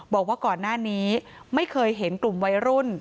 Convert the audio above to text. บอกว่าก่อนหน้านี้ไม่เคยเห็นกลุ่มวัยรุ่น